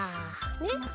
ねっ。